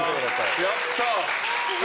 やった！